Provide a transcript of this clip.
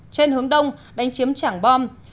trên hướng đông đánh chiếm trảng bom